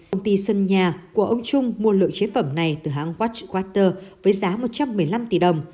công ty sơn nhà của ông trung mua lượng chế phẩm này từ hãng watchwater với giá một trăm một mươi năm tỷ đồng